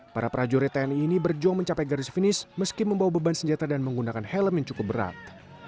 para prajurit tni ini berjuang mencapai garis finish meski membawa beban senjata dan menggunakan helm yang cukup berat